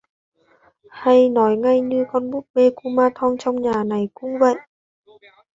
hay nói ngay như là con búp bê kumanthong trong nhà này cũng vậy